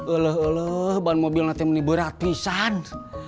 eluh eluh ban mobil nanti meniburat pisantis